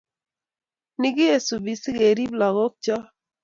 Ni kesubi sikerib lagokcho